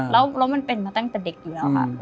แล้วมันเป็นมาตั้งแต่เด็กเดียวค่ะ